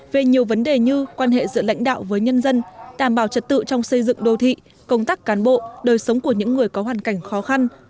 về nhiều vấn đề như quan hệ giữa lãnh đạo với nhân dân đảm bảo trật tự trong xây dựng đô thị công tác cán bộ đời sống của những người có hoàn cảnh khó khăn